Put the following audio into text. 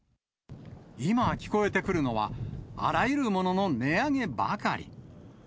今、聞こえてくるのは、あらゆるものの値上げばかり。